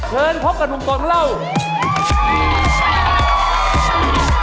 เชิญพบกับหนุ่มตนเรา